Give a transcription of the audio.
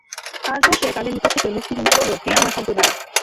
তারপর সে তাদের নিকট থেকে মুখ ফিরিয়ে নিয়ে বলল, হে আমার সম্প্রদায়।